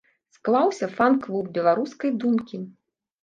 Склаўся фан-клуб беларускай думкі.